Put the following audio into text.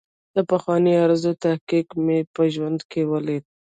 د پخوانۍ ارزو تحقق مې په ژوند کې ولید.